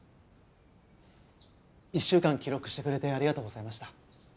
１週間記録してくれてありがとうございました。